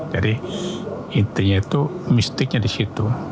jadi intinya itu mistiknya di situ